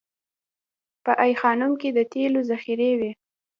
په ای خانم کې د تیلو ذخیرې وې